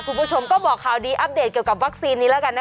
คุณผู้ชมก็บอกข่าวดีอัปเดตเกี่ยวกับวัคซีนนี้แล้วกันนะ